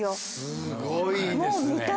すごいですね。